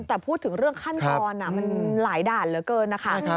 แต่พูดถึงเรื่องขั้นตอนมันหลายด่านเหลือเกินนะคะ